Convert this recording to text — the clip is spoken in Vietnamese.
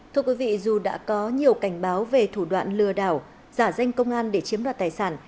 thưa quý vị dù đã có nhiều cảnh báo về thủ đoạn lừa đảo giả danh công an để chiếm đoạt tài sản